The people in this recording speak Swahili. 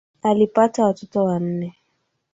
Alipata watoto wanne